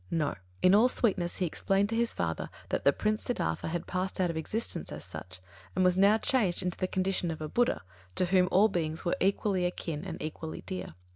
No. In all sweetness he explained to his father that the Prince Siddhārtha had passed out of existence, as such, and was now changed into the condition of a Buddha, to whom all beings were equally akin and equally dear.